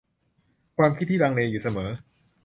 ความคิดที่ลังเลอยู่เสมอ